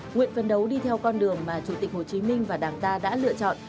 nguyện phấn đấu đi theo con đường mà chủ tịch hồ chí minh và đảng ta đã lựa chọn